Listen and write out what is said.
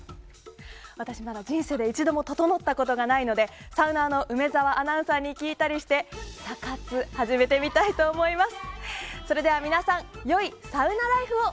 私、まだ人生で一度もととのったことがないのでサウナーの梅澤アナウンサーに聞いたりしてサ活を始めてみたいと思います。